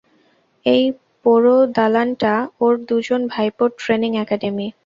এই পোড়ো দালানটা ওর দুজন ভাইপোর ট্রেনিং অ্যাকাডেমি।